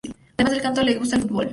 Además del canto le gusta el fútbol.